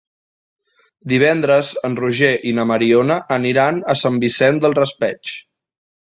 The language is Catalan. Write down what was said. Divendres en Roger i na Mariona aniran a Sant Vicent del Raspeig.